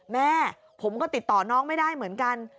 แม่ผมก็ติดต่อน้องไม่ได้เหมือนกัน